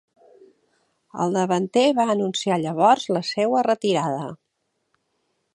El davanter va anunciar llavors la seua retirada.